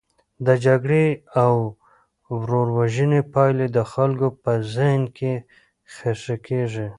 د جګړې او ورور وژنې پایلې د خلکو په ذهن کې خښي کیږي.